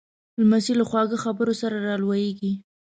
لمسی له خواږه خبرو سره را لویېږي.